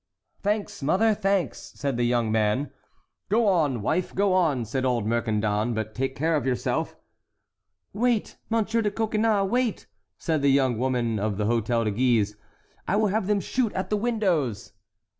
"Thanks, mother, thanks!" said the young man. "Go on, wife, go on," said old Mercandon; "but take care of yourself." "Wait, Monsieur de Coconnas, wait!" said the young woman of the Hôtel de Guise, "I will have them shoot at the windows!"